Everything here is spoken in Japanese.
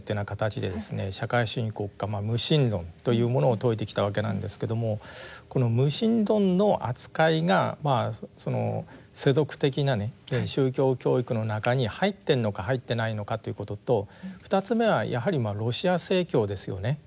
社会主義国家無神論というものを説いてきたわけなんですけどもこの無神論の扱いが世俗的なね宗教教育の中に入ってるのか入ってないのかということと２つ目はやはりロシア正教ですよね。